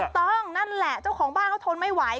นั่นแหละเจ้าของบ้านเขาทนไม่ไหว